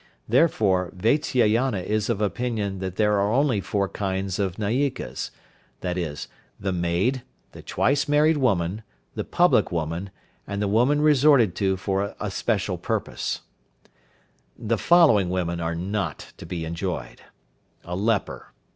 Therefore Vatsyayana is of opinion that there are only four kinds of Nayikas, i.e., the maid, the twice married woman, the public woman, and the woman resorted to for a special purpose. The following women are not to be enjoyed: A leper.